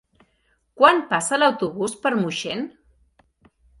Quan passa l'autobús per Moixent?